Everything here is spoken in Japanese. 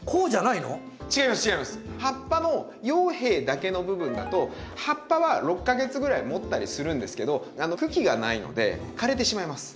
葉っぱの葉柄だけの部分だと葉っぱは６か月ぐらいもったりするんですけど茎がないので枯れてしまいます。